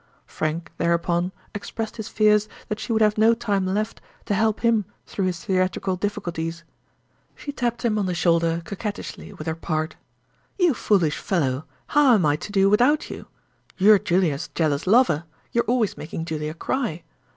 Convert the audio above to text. Frank thereupon expressed his fears that she would have no time left to help him through his theatrical difficulties. She tapped him on the shoulder coquettishly with her part. "You foolish fellow, how am I to do without you? You're Julia's jealous lover; you're always making Julia cry.